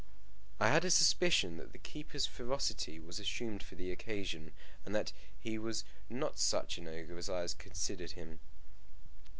I had a suspicion that the keeper's ferocity was assumed for the occasion, and that he was not such an ogre as I had considered him.